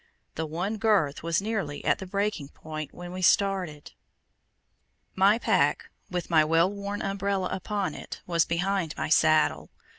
The one girth was nearly at the breaking point when we started. My pack, with my well worn umbrella upon it, was behind my saddle.